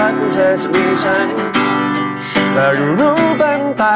เงียบ